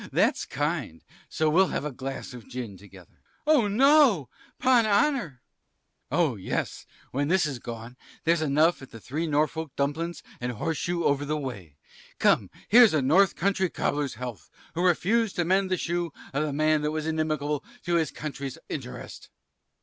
that's kind, and so we'll have a glass of gin together. Sir B. Oh, no! 'pon honour. Cris. Oh, yes; when this is gone, there's enough at the Three Norfolk Dumplins and Horse Shoe over the way! Come, here's the North country cobbler's health, who refused to mend the shoe of the man that was inimical to his country's interest.